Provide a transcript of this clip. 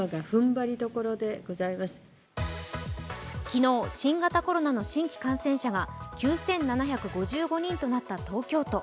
昨日、新型コロナの新規感染者が９７５５人となった東京都。